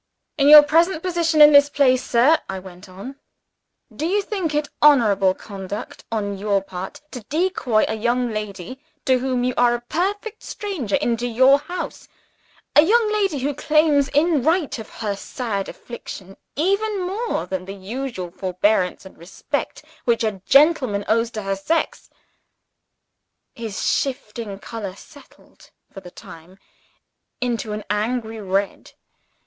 "In your present position in this place, sir," I went on, "do you think it honorable conduct on your part to decoy a young lady, to whom you are a perfect stranger, into your house a young lady who claims, in right of her sad affliction, even more than the usual forbearance and respect which a gentleman owes to her sex?" His shifting color settled, for the time, into an angry red.